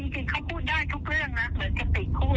จริงเขาพูดได้ทุกเรื่องนะเหมือนจะติดคุก